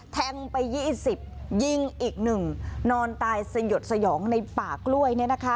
แทงไป๒๐ยิงอีกหนึ่งนอนตายสยดสยองในป่ากล้วยเนี่ยนะคะ